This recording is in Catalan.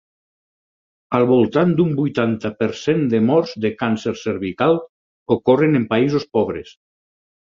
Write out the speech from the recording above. Al voltant d'un vuitanta per cent de morts de càncer cervical ocorren en països pobres.